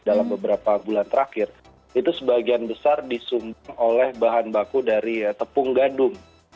dalam beberapa bulan terakhir itu sebagian besar disumbang oleh bahan baku dari tepung gadung